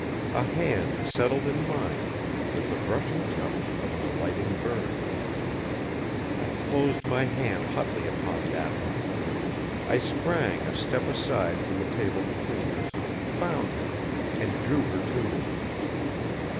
A hand settled in mine with the brushing touch of an alighting bird. I closed my hand hotly upon that one. I sprang a step aside from the table between us, found her, and drew her to me.